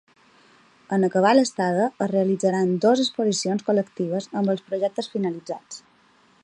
En acabar l’estada, es realitzaran dos exposicions col·lectives amb els projectes finalitzats.